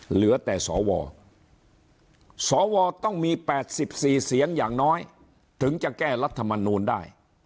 เหลือแต่สวสวต้องมี๘๔เสียงอย่างน้อยถึงจะแก้รัฐมนูลได้